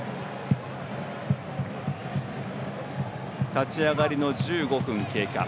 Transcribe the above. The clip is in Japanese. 立ち上がりから１５分経過